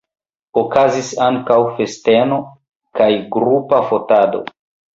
Okazis ankaŭ festeno kaj grupa fotado.